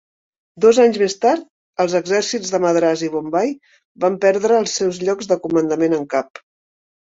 Dos anys més tard, els exèrcits de Madras i Bombai van perdre els seus llocs de comandament en cap.